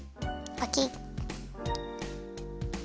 パキッ。